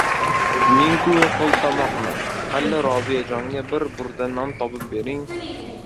Men-ku qiltomoqman. Aqalli, Robiyajonga bir burda non topib bering...